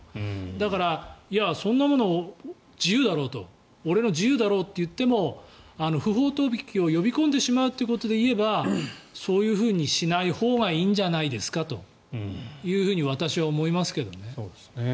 だから、そんなもの自由だろと俺の自由だろと言っても不法投棄を呼び込んでしまうということで言えばそういうふうにしないほうがいいんじゃないですかと私は思いますけどね。